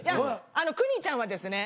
国ちゃんはですね